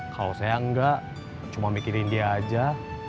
kalau saya enggak cuma mikirin dia aja